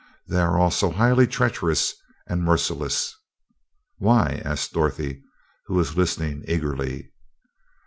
They are also highly treacherous and merciless...." "Why?" asked Dorothy, who was listening eagerly.